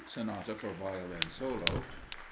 Sonata, for Violin Solo. 21.